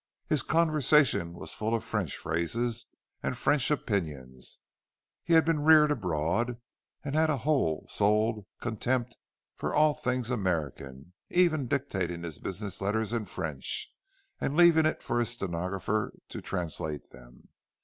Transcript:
His conversation was full of French phrases and French opinions; he had been reared abroad, and had a whole souled contempt for all things American—even dictating his business letters in French, and leaving it for his stenographer to translate them.